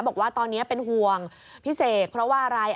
บอกว่าตอนนี้เป็นห่วงพี่เสกเพราะว่าอะไร